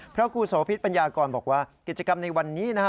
พระครูโสพิษปัญญากรบอกว่ากิจกรรมในวันนี้นะฮะ